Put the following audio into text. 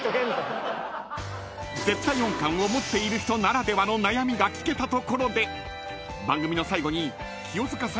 ［絶対音感を持っている人ならではの悩みが聞けたところで番組の最後に］